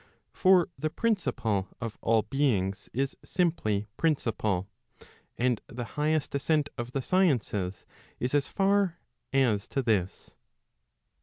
For the principle of all beings is simply principle, and the highest ascent of the sciences, is as far as to this.